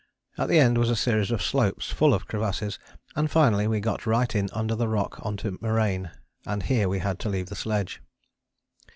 At the end was a series of slopes full of crevasses, and finally we got right in under the rock on to moraine, and here we had to leave the sledge.